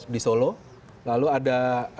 di solo lalu ada